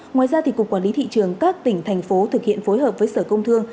ngoài ra cục quản lý thị trường các tỉnh thành phố thực hiện phối hợp với sở công thương